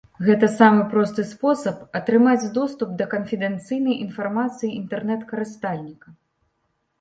Гэта самы просты спосаб атрымаць доступ да канфідэнцыйнай інфармацыі інтэрнэт-карыстальніка.